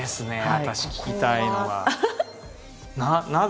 私聞きたいのは。